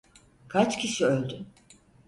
Kaç kişi öldü?